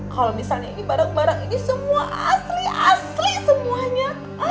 kalau misalnya ini barang barang ini semua asli asli semuanya